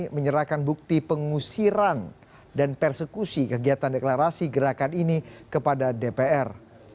menyerahkan bukti pengusiran dan persekusi kegiatan deklarasi gerakan ini kepada dpr